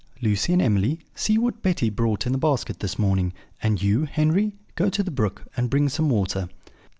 Lucy and Emily, see what Betty brought in the basket this morning; and you, Henry, go to the brook, and bring some water."